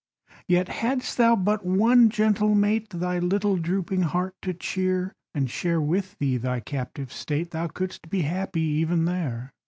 Yet, hadst thou but one gentle mate Thy little drooping heart to cheer, And share with thee thy captive state, Thou couldst be happy even there.